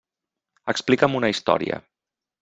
Explica'm una història.